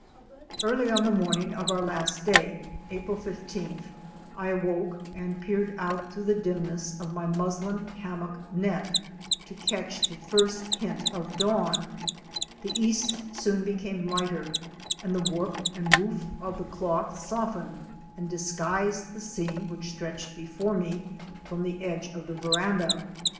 Early on the morning of our last day, April 15th, I awoke and peered out through the dimness of my muslin hammock net to catch the first hint of dawn. The east soon became lighter and the warp and woof of the cloth softened and dis guised the scene which stretched before me from the edge of the veranda.